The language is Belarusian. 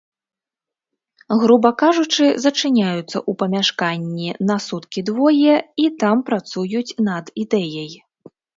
Груба кажучы, зачыняюцца ў памяшканні на суткі-двое і там працуюць над ідэяй.